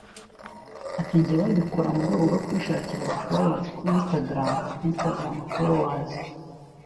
Ati ” Njyewe mbikora mu rwego rwo kwishakira abafolowazi kuri instagram ( Instagram Followers "